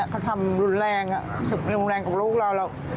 เขาทำรุนแรงรุนแรงของลูกเรา